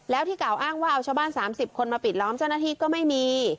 แล้วที่กล่าวอ้างว่าเอาชาวบ้าน๓๐คนมาปิดล้อมเจ้าหน้าที่ก็ไม่มี